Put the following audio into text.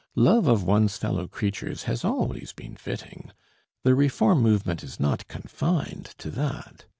Love of one's fellow creatures has always been fitting. The reform movement is not confined to that.